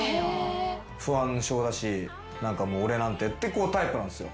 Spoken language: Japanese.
不安症だし何かもう俺なんてってタイプなんすよ。